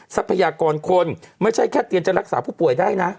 ทรัพยากรคนไม่ใช่แค่เตรียมจะรักษาผู้ป่วยได้นะ